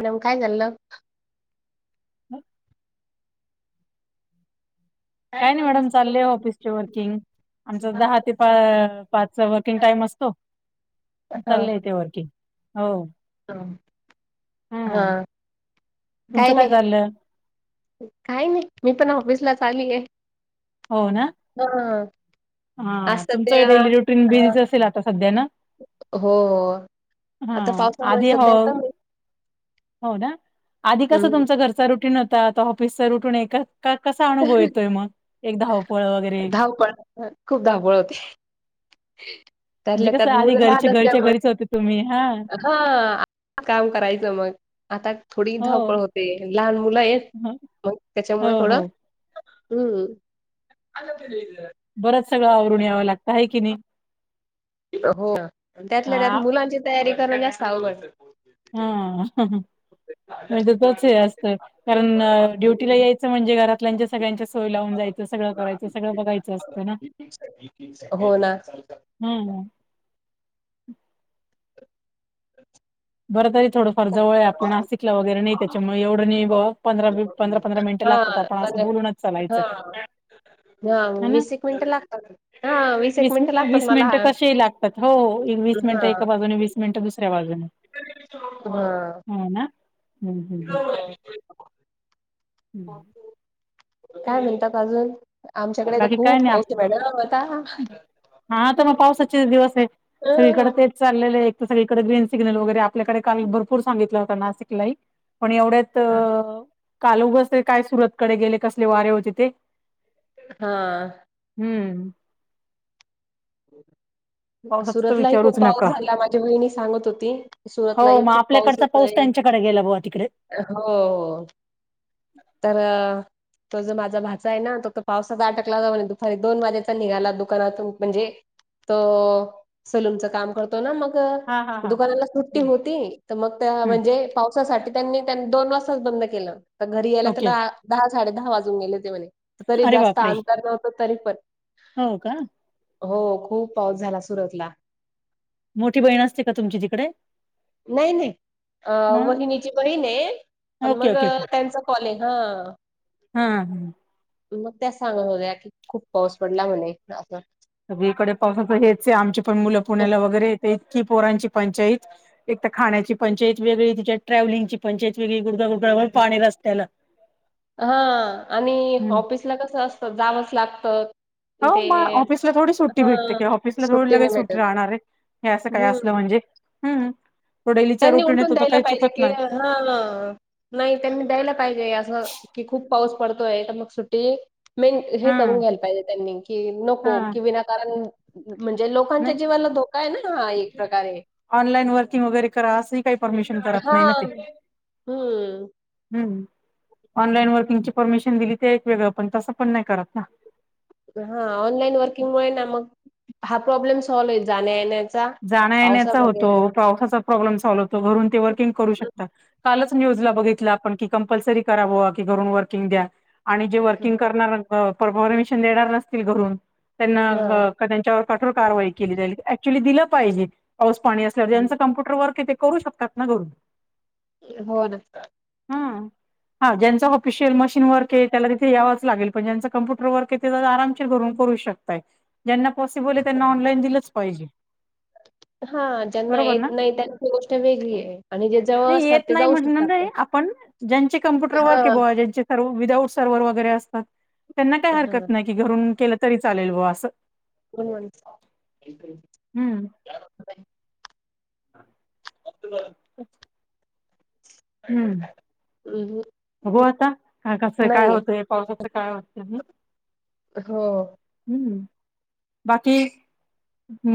Madam काय चाल्लं? [inaudible] काही नाही मॅडम चाललेय ऑफिस चे वर्कींग आमचं हा दहा ते पा पाचचा वर्किंग टाइम असतो चाललंय ते वर्किंग हो. हा हां, काय तुमचं नाही. चाललं काही नाही. मी पण ऑफिस ला चालीय. हो ना. हां. हां. तुमचं डेली रुटीन बिझीच असेल, आता सध्या ना. हो हो. हा आता पावसामुळे आधी हो सध्या कमी हो ना. आधी कसं हम्म तुमचं घरचं रुटीन होत. आता ऑफिसच रुटून एक का कसा अनुभव येतोय? मग एका धावपळ वगैरे हऊ पण भर खूप धावपाळ होते. म्हणजे, त्यातल्या त्यात कसं आधी मुलं घरच्या घरच्या घरीच होते तुम्ही हां. हां. आता काम करायचं मग, आता थोडी हो धावपळ होते. लहान मुल आहेत. मग, हो त्याच्यामुळे थोड, हो हं बरंच सगळं आवरून यावं लागतं आहे, की नी. हो ना. त्यातल्या त्यात हा मुलांची तयारी करणं जास्त अवघड हां. हं हं. म्हणजेच हे असतं. कारण ड्युटीला यायचं म्हणजे घरातल्यांच्या सगळ्यांच्या सोय लावून जायचं. ते सगळं करायचं सगळं बघयचं असतं ना. हो ना. हं हं. बरं तरी थोडंफार जवळ आहे. आपल्या नाशिकला वगैरे नाही. त्याच्यामुळे एवढं नाही बुवा पंधरा पंधरा -पंधरा मिनिटं हा लागत. आपण असं बोलूनच चालायचं. हां ह ना. वीस एक मिनिटं लागतात. हां वीस एक मिनिटं लागतात मला. तात. हो वीस मिनटं एका बाजूने, वीस मिनटं दुसऱ्या बाजूने हां. हो ना. हम्म, हम्म, हम्म. काय म्हणतात अजून? आमच्याकडे तर बाकी काय खूप पाऊस, मॅडम होता. हां. तर, मग पावसाचेच दिवस आहेत. सगळीकडे ह ते चाललेले आहेत. सगळीकडे ग्रीन सिग्नल वगैरे आपल्याकडे काल भरपूर सांगितला होता. नासिकलाही पण एवढे त. काल उगाच काय सुरतकडे गेले. कसले वारे होते ते? हां. हं. हो. पावसाच तर सुरतलाही खूप विचारूच पाऊस नका. झाला. माझी वहिनी सांगत होती, हो सुरतलाही मग खूप आपल्याकडचा पाऊस त्यांच्याकडे गेला बुवा तिकडे. हो हो. तरं तो जो माझा भाचा आहे ना, तो तर पावसात अटकला होता म्हणे. दुपारी दोन वाजेचा निघाला दुकानातून म्हणजे तो अं सलूनच काम करतो ना, मग हा हा हा. दुकानाला सुट्टी होती. तर, मग त्या हम्म म्हणजे पावसासाठी त्यांनी- त्यां दोन वाजताच बंद केलं. तर, घरी यायला ओके त्याला दहा साडे दहा वाजून गेले होते. म्हणे, तरी अरे जास्त बापरे अंतर नव्हतं तरी पण हो का? हो खूप पाऊस झाला सुरतला. मोठी बहीण असते का तुमची तिकडे? नाही नाही. अं मग वहिनीची बहीण आहे. पण ओके मग ओके ओके त्यांच कॉल हे हा. हा. मग त्या सांगत होत्या की खूप पाऊस पडला म्हणे अस सगळीकडे पावसाच हेच हे आमची पण मुलं पुण्याला वगैरे येत इतकी पोरांची पंचाईत एक तर खाण्याची पंचायत वेगळी तिच्या ट्रॅव्हलिंगची पंचायत वेगळी गुडगा गुडगाभर पाणी रस्त्याला, हा आणि ऑफिसला कस असतं जावंच लागतं हो मग ते ऑफिसला थोडी सुट्टी भेटते हां की ऑफिसला थोडी सुट्टी लगेच नाही सु्टी भेटत. राहणार आहे. हे असं काय असलं हम्म. म्हणजे हम् रोडलीचा रोटीने येतो तर काही चुकत नाही. हा. नाही त्यांनी द्यायला पाहिजे, असं की खूप पाऊस पडतोय तर मग सुट्टी मेन हे हा करून घ्यायला पाहिजे त्यांनी कि नको हा की विनाकारण म्हणजे लोकांच्या नाही जीवाला धोका आहे ना हा एक प्रकारे. ऑनलाईन वर्किंग वगैरे करा असंही काही परमिशन करत नाही ना ते, हां. हम्म. हम् ऑनलाईन वर्किंगची परमिशन दिली ते एक वेगळं पण तसं पण नाही करत ना. हा ऑनलाईन वर्किंगमुळे ना मग हा प्रॉब्लेम सॉल्व्ह आहे जाण्या येण्या जाण्या येण्याचा होतो पावसाचा प्रॉब्लेम सॉल्व्ह होतो घरून ते वर्किंग करू शकतात. कालच न्यूजला बघितलं आपण की कंपल्सरी करावं की घरून वर्किंग द्या. आणि जे वर्किंग करणार पर परमिशन देणार नसतील घरून हां. त्यांना त्यांच्यावर कठोर कारवाई केली जाईल ऍक्चुअली दिलं पाहिजे पाऊस पाणी असल्यावर ज्याचं कम्प्युटर वर्क आहे ते करू शकतात ना घरून. हो ना. हा हा ज्यांच ऑफिशियल मशीन वर्क आहे त्याला तिथे यावंच लागेल पण ज्याच कम्प्युटर वर्क आरामशीर घरून करू शकतायत ज्यांना पॉसिबल आहे त्यांना ऑनलाईन दिलंच पाहिजे. हा. ज्यांना बरोबर येत ना? नाही त्यांची गोष्ट वेगळी आहे आणि जे जवळ नाही असतात येत ते नाही जाऊ म्हणणार शकतातना. नाही आपण ज्यांचे कम्प्युटर वर्क हे बुआ ज्यांचे सर्व विदाउट सर्व्हर वगैरे असतात त्यांना काही हां. हरकत नाही, की घरून केलं तरी चालेल बुआ असं. वन वन हम्म. [unintelligible] अच्छा. हम्. बघू आता का कसं काय होतंय पावसाचं काय होत हो. बाकी,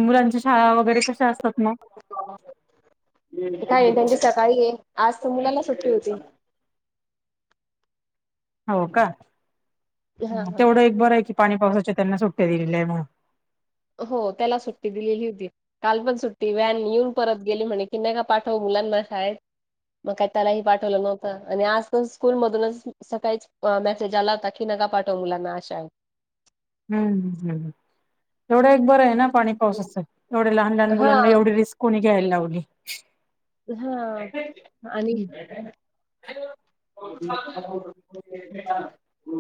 मुलांच्या शाळा वगैरे कशा असतात मग? काय नाही त्यांची सकाळी हे आज तर मुलाला सुट्टी होती. हो का हां, हां. तेवढं एक बरं आहे की पाणी पावसाच्या त्यांना सुट्ट्या दिलेल्या आहे म्हणून, हो त्याला सुट्टी दिलेली होती काल पण सुट्टी व्हॅन येऊन परत गेली म्हणे की नका पाठवू मुलांना शाळेत, मग काय त्यालाही पाठवलं नव्हतं आणि आज पण स्कूल मधूनच सकाळीच मेसेज आला होता की नका पाठवू मुलांना आज शाळेत. हम् तेवढं एक बरं आहे ना पाणी पावसाचं एवढे लहान लहान मुलांना हां. एवढी रिस्क कोणी घ्यायला लावली. हा आणि [unintelligible]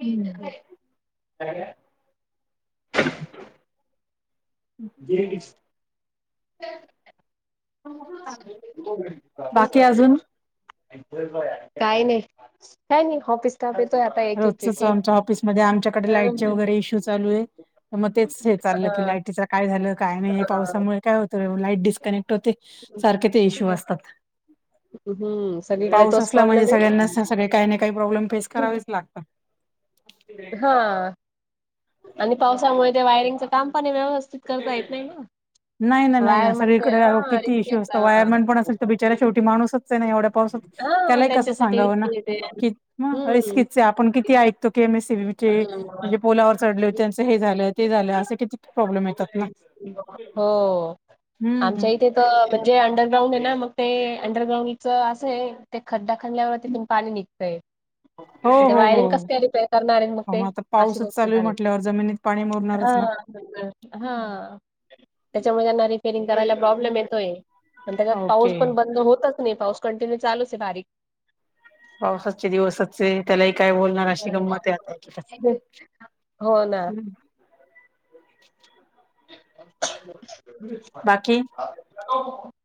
हम्म अ [inaudible] [unintelligible] [inaudible] बाकी अजून काही नाही. काही नाही ऑफिस स्टाफ येतोय आता एक एक एक रोजच एक आमच्या ऑफिसमध्ये आमच्याकडे लाईटचे हा वगैरे इशू चालू आहे. मग तेच हे चाललं की, लाईटीच काय झालं काय नाही पावसामुळे काय होतं लाईट डिस्कनेक्ट होते. सारखे ते इशू असतात. हम्म सगळीकडे पाऊस तोच असला प्रॉब्लेम म्हणजे सगळ्यांना सगळे काही ना काही प्रॉब्लेम फेस करावेच लागतात. हा आणि पावसामुळे ते वायरिंगच काम पाणे व्यवस्थित, करता येत नाही ना, नाही ना नाही वायर ना म्हणजे सगळीकडे हा किती रिस्की इश्यू असत असतात. वायरमन पण असेल तर, बिचारा शेवटी माणूसच आहे नाही एवढं पावसात हा त्याला कस त्यांच्यासाठी सांगावना, रिस्की येते हम्म आपण किती? [inaudible] म्हणजे पुलावर चढले त्याच हे झालं ते झालं असे किती प्रॉब्लेम येतात ना हो हम्म हम्म. आमच्या इथे, तर म्हणजे अंडरग्राउंड आहे ना, मग ते अंडरग्राउंडचं असं आहे. ते खड्डा खाणल्यावरती तिथुन पाणी निघत. हो ते हो हो वायरिंग कस का रिपेअर करणार आहे मग हो ते आता अशी पाऊसच गोष्ट चालू आहे झाली. म्हटल्यावर जमिनीत पाणी मुरणारच ना. हा हा त्याच्यामुळेना रिफेरिंग करायला प्रॉब्लेम येतोय, आणि त्याच्यात ओके पाऊस पण ब होतच नाही, पाऊस कंटिन्यू चालूच आहे. बारीक पाऊस आजचा दिवसच आहे. त्यालाही काय बोलणार अशी गंमत आता आहे की, हो ना, [unintelligible] बाकी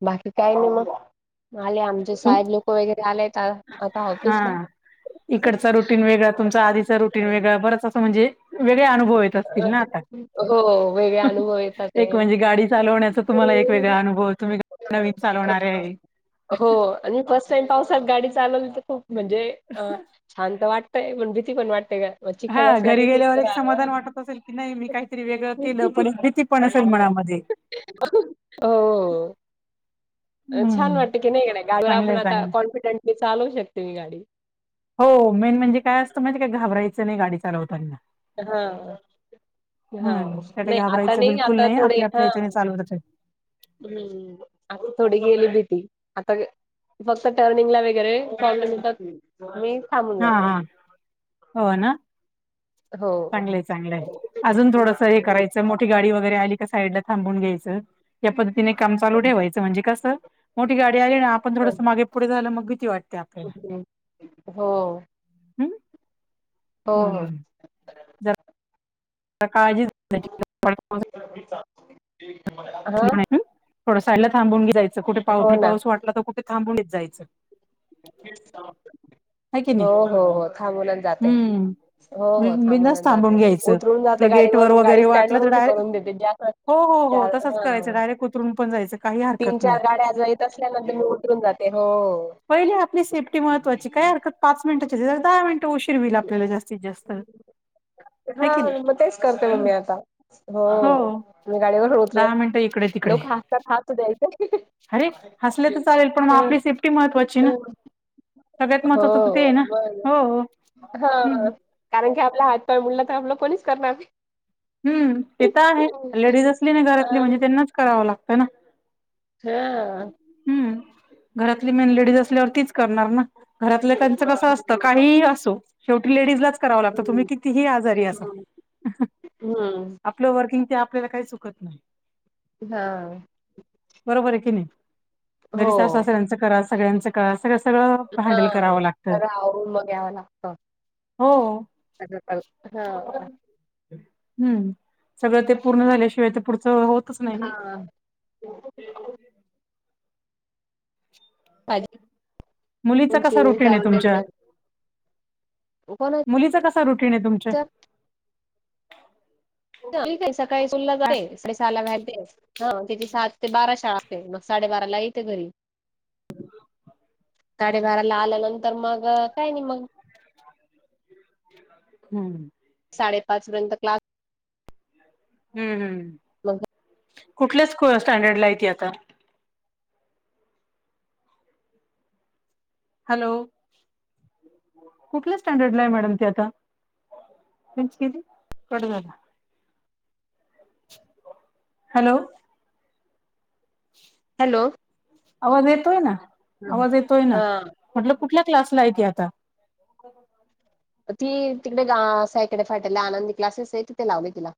बाकी काय नाही मग [inaudible] आले आमचे तुम साहेब लोक वगैरे आलेत आता ऑफिसला, हा. इकडचा रुटीन वेगळा तुमचा आधीचा रटन वेगळा बरच असं म्हणजे वेगळे अनुभव आहेत. असतील ना आता, हो वेगळे अनुभव येतात एक म्हणजे गाडी चालवण्या तुम्हाला एक ते. वेगळा अनुभव तुम्ही, नवीन चालवणारे, हो आणि फर्स्ट टाईम पावसात गाडी चालवली तर खूप म्हणजे, छानत तर वाटतंय, पण भीती पण वाटतेय ना, हा घरी गेल्यावर एक समाधान वाटत असेल की, नाही मी काहीतरी वेगळं केलं पण भीतीपण असेल मनामध्ये, हो छान हम्म वाटत की नाही. ग गाडीवर आपण चांगलंय आता चांगलंय. कॉन्फिडेंटली चालवू शकते मी गाडी, हो, हो मेन म्हणजे काय असतं माहिती आहे का? घाबरायचं नाही गाडी चालवताना. हा हा हम्म त्या नाही आता घाबरायचं नाही बिलकुल आता थोडे आपल्या आपल्या हा, याच्याने चालवतात हम्म आ थोडी गेली भीती, आता फक्त टर्निंग ला वगैरे, [unintelligible] मी थांबून हा जातो. हा हो ना, हो. चांगलंय चांगलंय, अजून थोडस हे करायचं मोठी गाडी वगैरे आली का साईडला थांबून घ्यायचं. या पद्धतीने काम चालू ठेवायचं. म्हणजे कसं मोठी गाडी आली ना आपण हं. थोडं मागे पुढे झालं मग भीती वाट हो हो, हो. हम् जरा काळजी [inaudible] [inaudible] ठीक आहे [inaudible] [unintelligible] थोडं साईडला थांबून जायचं कुठे हो ना पाव-पाऊस वाटला तर कुठे थांबूनच जायचं [inaudible] हाय की हो नाही हो हो थांबूनच जाते हम्म हो हो बिनधास्त थांबूनच थांबून जाते घ्यायचं उतरून जाते आपलं गेट वर गाडीवरून गाडी वगैरे वाटलं स्टँडवर तर उभी डायरेक्ट करून देते जास्त हो हो हो चार तसच हा तीन चार नाही गाड्या जर येत असल्यानंतर मी उतरून जाते हो पहिले आपली सेफ्टी महत्त्वाची काय हरकत पाच मिनिटाची दहा मिनटं उशीर होईल आपल्याला जास्तीत जास्त. हा की नाही मग तेच करते ना हम्म. मी आता हो मी गाडीवर होतोय दहा मिनिटं इकडे तिकडे लोक हसतात हासु द्यायचे अरे हसले तर चालेल पण मग आपली सेफ्टी महत्त्वाची ना. सगळ्यात हो महत्वाचं तर ते आहे ना बर हो. हा हम्म कारण की आपला हातपाय मुडला तर आपलं कोणीच करणार नाही. हम्म ते तर आहे लेडीज असली नाही घरातली अ म्हणजे त्यांनाच करावं लागत ना. हा हम्म घरातली मेन लेडीज असल्यावर तीच करणार ना. घरातले त्यांचं कसं असतं काहिही असो शेवटी लेडीजलाच करावं लागतं तुम्ही हम्म कितीही आजारी असा हह हम आपलं वर्किंग ते आपल्याला काही चुकत नाही. हां. बरोबर आहे की नाही घरी सासू-सासऱ्यांच करा सगळ्यांचं कळा हा तर आवरून मग याव लागतं. हो [unintelligible] हा हम्म सगळं ते पूर्ण झाल्याशिवाय ते पुढचं होत हा. भाजी मुलीचा पण कसा चिरून रुटीन आहे काढून तुमच्या? ठेवते कोणाच्या मुलीचा कसा रुटीन आहे तुमच्या? [unintelligible] ती काय म आहे सकाळी स्कूलला जाते साडे [unintelligible] सहाला [inaudible] ह तीची सात ते बारा शाळा असते, मग साडेबारा ला येते घरी. साडे बाराला आल्यानंतर मग काय नाही मग हम्म साडेपाच नंतर क्लास हम्म हम मग कुठल्या स्टँडर्डला आहे ती आता? हॅलो, कुठल्या स्टँडर्डला आहे मॅडम ती आता? रेंज गेली कट झाला [inaudible] हॅलो हॅलो आवाज येतोय ना, हं. आवाज येतोय ना हां म्हटल कुठल्या क्लासला आहे ती आता? [inaudible] ती तिकडे गा साइटडे फाट्याला आनंदी क्लासेस आहे, तिथे लावले तिला.